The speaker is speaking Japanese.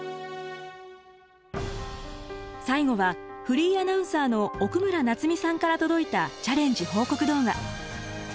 最後はフリーアナウンサーの奥村奈津美さんから届いたチャレンジ報告動画。